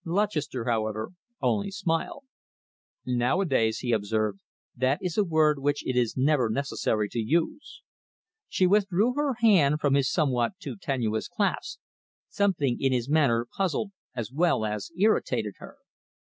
Lutchester, however, only smiled. "Nowadays," he observed, "that is a word which it is never necessary to use." She withdrew her hand from his somewhat too tenacious clasp. Something in his manner puzzled as well as irritated her.